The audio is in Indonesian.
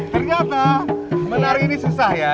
ternyata menari ini susah ya